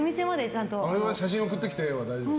写真送ってきては大丈夫です？